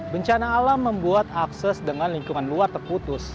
bencana alam membuat akses dengan lingkungan luar terputus